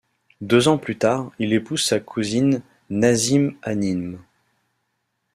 Deux ans plus tard, il épouse sa cousine Nazime Hanım.